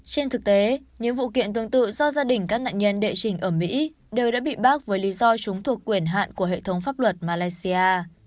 trên thực tế những vụ kiện tương tự do gia đình các nạn nhân đệ trình ở mỹ đều đã bị bác với lý do chúng thuộc quyền hạn của hệ thống pháp luật malaysia